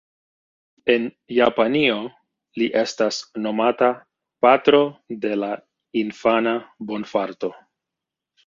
En Japanio li estas nomata "Patro dela Infana Bonfarto".